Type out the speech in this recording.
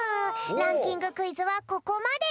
ランキングクイズはここまで！